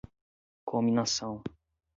cominação